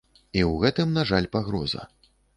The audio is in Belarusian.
І ў гэтым, на жаль, пагроза.